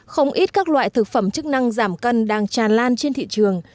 không ít các loại thực phẩm chức năng giảm cân đang tràn lan trên thị trường